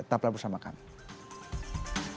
tetaplah bersama kami